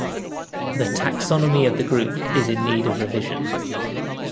The taxonomy of the group is in need of revision.